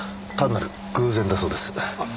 単なる偶然だそうです。